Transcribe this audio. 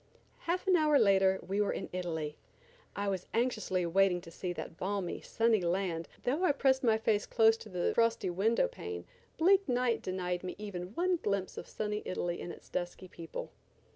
Half an hour later we were in Italy. I was anxiously waiting to see that balmy, sunny land, but though I pressed my face close to the frosty window pane bleak night denied me even one glimpse of sunny Italy and its dusky people.